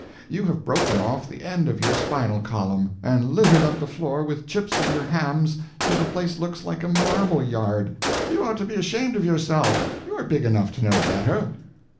You have broken off the end of your spinal column, and littered up the floor with chips of your hams till the place looks like a marble yard. You ought to be ashamed of yourself you are big enough to know better."